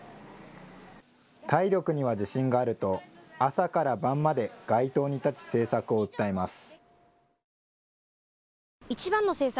体力には自信があると、朝から晩まで街頭に立ち政策を訴えます。